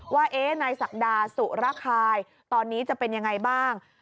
ว่านายศักดาสุระคายตอนนี้จะเป็นยังไงบ้าง